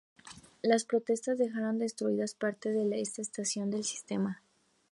Las protestas dejaron destruidas parte de esta estación del sistema.